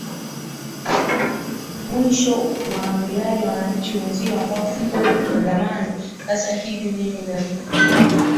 mwisho unawaambiaje wananchi wenzio ambao mko kwenye maandamano sasa hivi mimi na